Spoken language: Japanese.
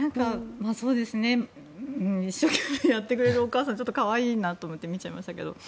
一生懸命やってくれるお母さんはちょっと可愛いなと思って見ちゃいましたけど。